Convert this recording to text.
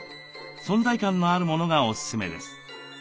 存在感のあるものがおすすめです。